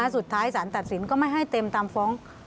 สุดท้ายสารตัดสินก็ไม่ให้เต็มตามฟ้อง